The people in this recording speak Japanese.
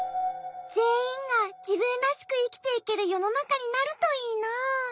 ぜんいんがじぶんらしくいきていけるよのなかになるといいな。